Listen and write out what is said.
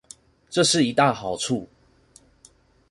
這是一大好處